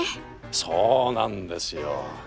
そうなんですよ。